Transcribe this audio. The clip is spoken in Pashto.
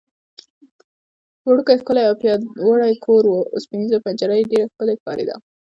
وړوکی، ښکلی او پیاوړی کور و، اوسپنېزه پنجره یې ډېره ښکلې ښکارېده.